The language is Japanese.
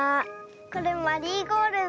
これマリーゴールド。